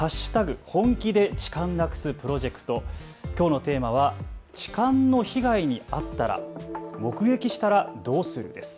本気で痴漢なくすプロジェクト、きょうのテーマは痴漢の被害に遭ったら目撃したらどうするです。